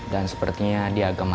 dan sepertinya dia agak marah